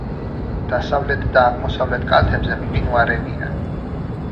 დასავლეთ და აღმოსავლეთ კალთებზე მყინვარებია.